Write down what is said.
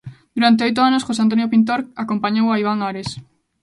Durante oito anos José Antonio Pintor acompañou a Iván Ares.